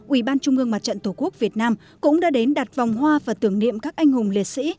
ủy ban trung ương mặt trận tổ quốc việt nam cũng đã đến đặt vòng hoa và tưởng niệm các anh hùng liệt sĩ